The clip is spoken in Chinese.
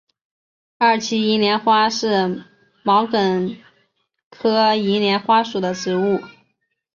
二歧银莲花是毛茛科银莲花属的植物。